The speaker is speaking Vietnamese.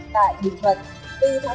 tại bình thuận